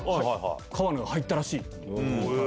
川名が入ったらしい！って。